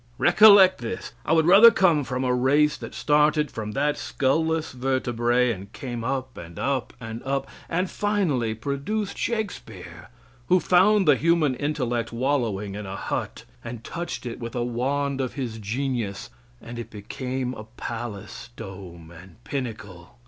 Recollect this! I would rather come from a race that started from that skull less vertebrae, and came up and up and up, and finally produced Shakespeare, who found the human intellect wallowing in a hut, and touched it with a wand of his genius, and it became a palace dome and pinnacle.